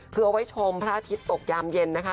คือเอาไว้ชมพระอาทิตย์ตกยามเย็นนะคะ